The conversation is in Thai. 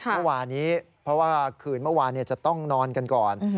เมื่อวานนี้เพราะว่าคืนเมื่อวานจะต้องนอนกันก่อน